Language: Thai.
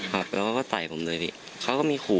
เขาบอกให้เขาพร้อมให้ผมเข้าไปอีกรอบ